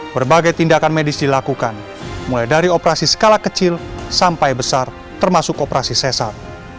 berbagai tindakan medis dilakukan mulai dari operasi skala kecil sampai besar termasuk operasi sesar